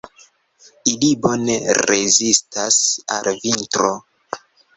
Ili bone rezistas al vintro.